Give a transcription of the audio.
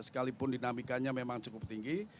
sekalipun dinamikanya memang cukup tinggi